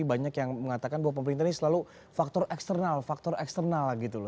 banyak yang mengatakan bahwa pemerintah ini selalu faktor eksternal faktor eksternal gitu loh